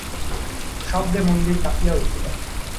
শব্দে মন্দির কাঁপিয়া উঠিল।